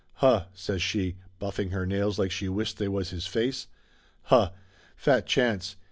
"Huh!" says she, buffing her nails like she wished they was his face. "Huh! Fat chance!